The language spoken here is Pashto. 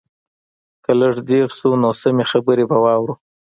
که لږ ځير شو نو سمې خبرې به واورو.